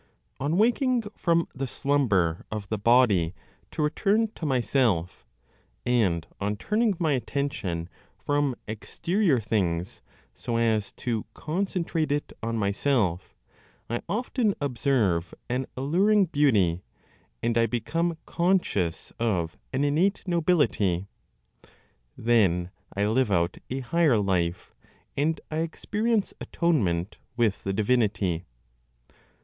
On waking from the slumber of the body to return to myself, and on turning my attention from exterior things so as to concentrate it on myself, I often observe an alluring beauty, and I become conscious of an innate nobility. Then I live out a higher life, and I experience atonement with the divinity.